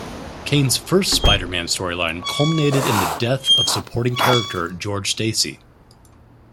Kane's first Spider-Man storyline culminated in the death of supporting character George Stacy.